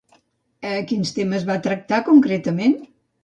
Quins temes va tractar concretament?